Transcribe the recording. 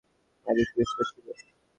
পানি কী উষ্ণ ছিল?